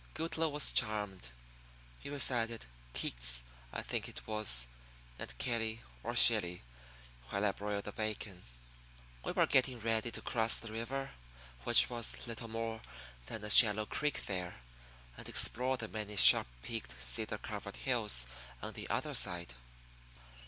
Goodloe was charmed. He recited Keats, I think it was, and Kelly or Shelley while I broiled the bacon. We were getting ready to cross the river, which was little more than a shallow creek there, and explore the many sharp peaked cedar covered hills on the other side.